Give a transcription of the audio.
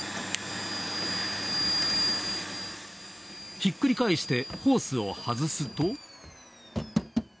ひっくり返してホースを外すと。